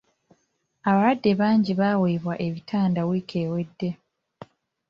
Abalwadde bangi baaweebwa ebitanda wiiki ewedde.